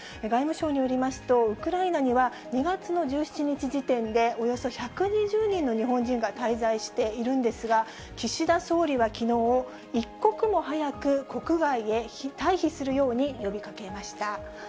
外務省によりますと、ウクライナには２月の１７日時点で、およそ１２０人の日本人が滞在しているんですが、岸田総理はきのう、一刻も早く国外へ退避するように呼びかけました。